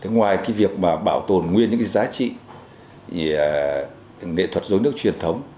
ngoài việc bảo tồn nguyên những giá trị nghệ thuật rối nước truyền thống